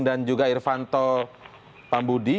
dan juga irpanto pambudi